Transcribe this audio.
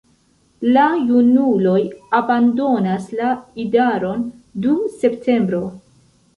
La junuloj abandonas la idaron dum septembro.